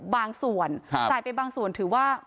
บางส่วนจ่ายไปบางส่วนถือว่า